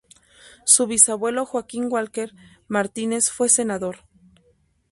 Su bisabuelo Joaquín Walker Martínez fue senador.